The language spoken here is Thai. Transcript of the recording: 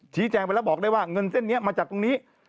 แจ้งไปแล้วบอกได้ว่าเงินเส้นนี้มาจากตรงนี้